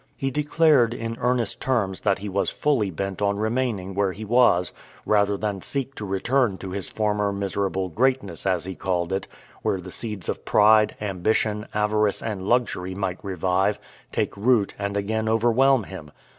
He declared, in earnest terms, that he was fully bent on remaining where he was rather than seek to return to his former miserable greatness, as he called it: where the seeds of pride, ambition, avarice, and luxury might revive, take root, and again overwhelm him.